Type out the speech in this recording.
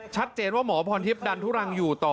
ชัดเจนว่าหมอพรทิพย์ดันทุรังอยู่ต่อ